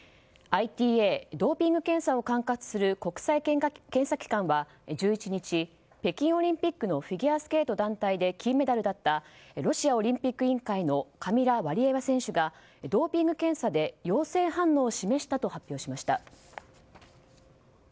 ＩＴＡ・ドーピング検査を管轄する国際検査機関は１１日北京オリンピックのフィギュアスケート団体で金メダルだったロシアオリンピック委員会のカミラ・ワリエワ選手がドーピング検査で陽性反応を示したと発表しました。